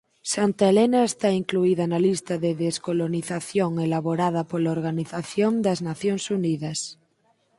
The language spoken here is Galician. Santa Helena está incluída na lista de descolonización elaborada pola Organización das Nacións Unidas.